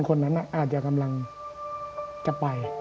คนนั้นอาจจะกำลังจะไป